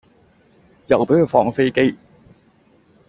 又俾佢放飛機